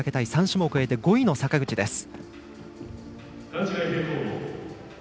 ３種目終えて５位の坂口です。